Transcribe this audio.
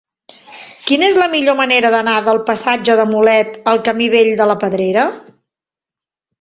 Quina és la millor manera d'anar del passatge de Mulet al camí Vell de la Pedrera?